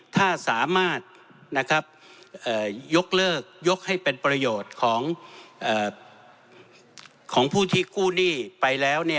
ถ้าสามารถยกเลิกยกให้เป็นประโยชน์ของผู้ที่กู้หนี้ไปแล้ว